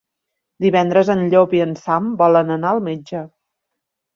Divendres en Llop i en Sam volen anar al metge.